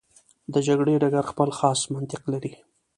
د جګړې ډګر خپل خاص منطق لري.